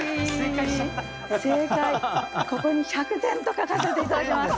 ここに１００点と書かせて頂きます。